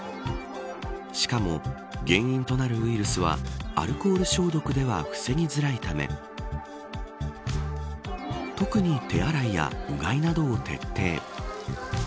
しかも原因となるウイルスはアルコール消毒では防ぎづらいため特に手洗いやうがいなどを徹底。